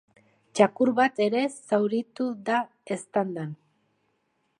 Txakur bat ere zauritu da eztandan.